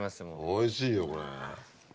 おいしいよこれ。